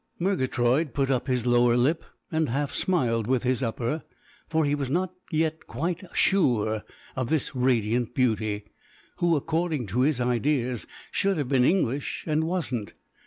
Murgatroyd put up his lower lip and half smiled with his upper, for he was not yet quite sure of this radiant beauty, who, according to his ideas, should have been English and wasn't.